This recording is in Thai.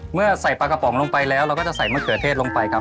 เมื่อใส่ปลากระป๋องลงไปแล้วเราก็จะใส่มะเขือเทศลงไปครับ